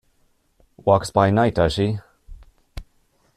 Walks by night, does she?